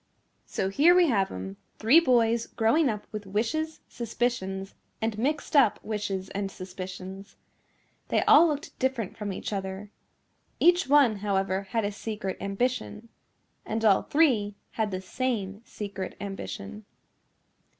So here we have 'em, three boys growing up with wishes, suspicions and mixed up wishes and suspicions. They all looked different from each other. Each one, however, had a secret ambition. And all three had the same secret ambition.